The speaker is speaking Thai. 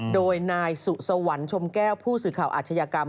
โดยนายสุสวรรค์ชมแก้วผู้สื่อข่าวอาชญากรรม